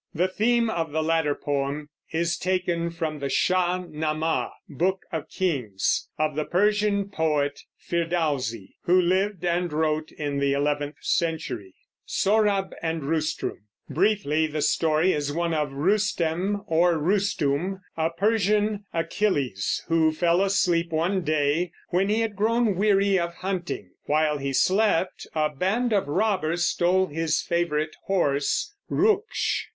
The theme of the latter poem is taken from the Shah Namah (Book of Kings) of the Persian poet Firdausi, who lived and wrote in the eleventh century. Briefly, the story is of one Rustem or Rustum, a Persian Achilles, who fell asleep one day when he had grown weary of hunting. While he slept a band of robbers stole his favorite horse, Ruksh.